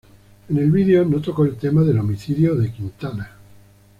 En el video no tocó el tema del homicidio de Quintana.